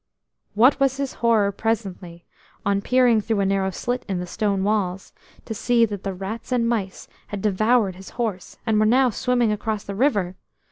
What was his horror presently, on peering through a narrow slit in the stone walls, to see that the rats and mice had devoured his horse, and were now swimming across the river.